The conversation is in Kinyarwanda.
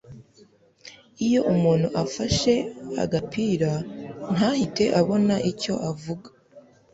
iyo umuntu afashe agapira ntahite abona icyo avuga